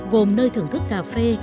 gồm nơi thưởng thức cà phê